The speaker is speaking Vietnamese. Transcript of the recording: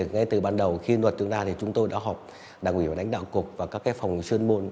ngay từ ban đầu khi luật tương lai thì chúng tôi đã học đảng quỷ và đánh đạo cục và các phòng chuyên môn